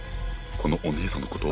このお姉さんのこと？